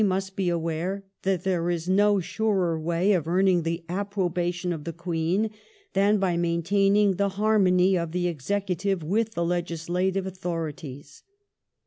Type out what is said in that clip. must be aware that there is no surer way of earning the approbation of the Queen than by maintaining the harmony of the Executive with the legislative authorities